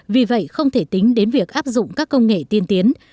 vì vậy không thể tính đến việc áp dụng các công nghệ tiên tiến